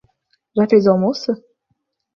Já fez o almoço?